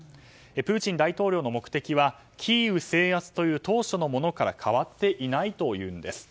プーチン大統領の目的はキーウ制圧という当初のものから変わっていないというんです。